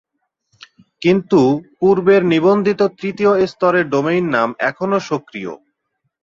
কিন্তু পূর্বের নিবন্ধিত তৃতীয় স্তরের ডোমেইন নাম এখনো সক্রিয়।